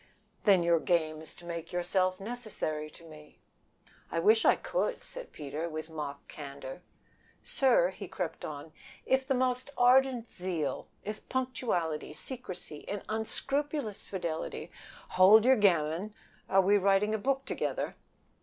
"Then your game is to make yourself necessary to me." "I wish I could," said Peter, with mock candor. "Sir," he crept on, "if the most ardent zeal, if punctuality, secrecy, and unscrupulous fidelity " "Hold your gammon! Are we writing a book together!